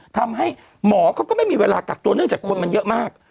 ทำให้หมอเขาก็ไม่มีเวลากักตัวเนื่องจากคนมันเยอะมาก